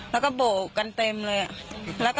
แล้วก็โบกกันเต็มเลยอะแล้วก็